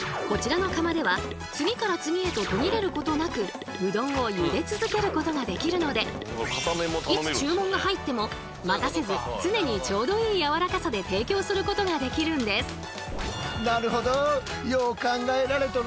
こちらの釜では次から次へと途切れることなくうどんを茹で続けることができるのでいつ注文が入っても待たせず常にちょうどいいやわらかさで提供することができるんです。